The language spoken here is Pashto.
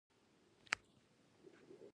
د پښتونخوا پښتانه خپلواکي غواړي.